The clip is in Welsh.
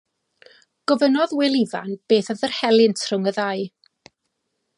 Gofynnodd Wil Ifan beth oedd yr helynt rhwng y ddau.